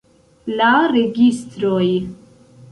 La registroj!